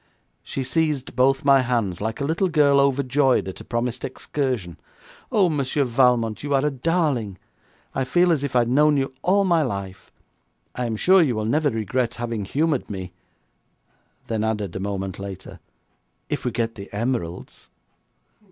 She seized both my hands, like a little girl overjoyed at a promised excursion. 'Oh, Monsieur Valmont, you are a darling! I feel as if I'd known you all my life. I am sure you will never regret having humoured me,' then added a moment later, 'if we get the emeralds.'